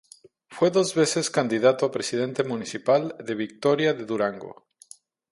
Fue dos veces candidato a Presidente Municipal de Victoria de Durango.